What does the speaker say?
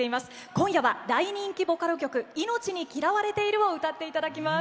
今夜は大人気ボカロ曲「命に嫌われている。」を歌っていただきます。